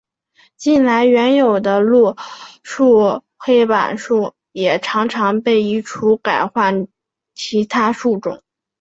近来原有的路树黑板树也常常被移除改换其他树种。